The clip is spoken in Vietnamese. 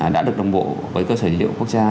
đã được đồng bộ với cơ sở dữ liệu quốc gia